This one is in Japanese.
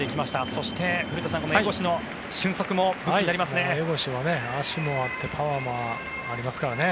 そして古田さん江越の俊足も武器になりますね。